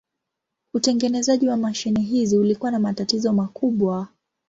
Utengenezaji wa mashine hizi ulikuwa na matatizo makubwa.